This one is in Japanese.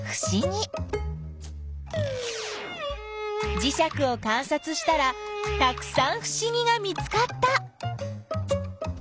じしゃくをかんさつしたらたくさんふしぎが見つかった！